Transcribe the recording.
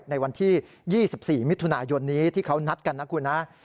ในวันที่๒๔มิถุนายนนี้ที่เขานัดกันนะคุณนะ